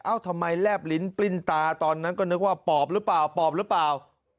ทำไมแลบลิ้นปลิ้นตาตอนนั้นก็นึกว่าปอบหรือเปล่าปอบหรือเปล่า